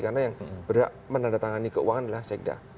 karena yang berat menandatangani keuangan adalah sekda